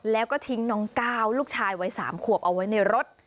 แล้วก็ทิ้งน้องก้าวลูกชายวัย๓ขวบเอาไว้ในรถ